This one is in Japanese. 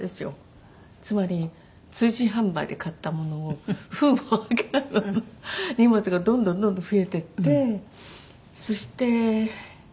つまり通信販売で買った物を封も開けないまま荷物がどんどんどんどん増えていってそして。